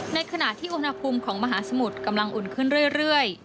ในขณะที่อุณหภูมิของมหาสมุทรกำลังอุ่นขึ้นเรื่อย